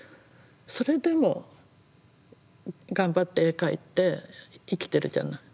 それでも頑張って絵描いて生きてるじゃない。